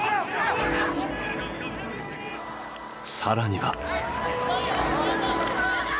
更には。